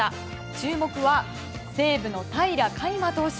注目は、西武の平良海馬投手。